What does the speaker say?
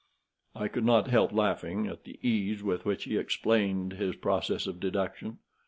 I could not help laughing at the ease with which he, explained his process of deduction.